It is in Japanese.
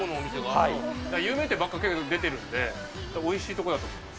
有名店ばっかり出てるんでおいしい所だと思います。